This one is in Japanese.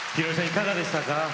いかがでしたか？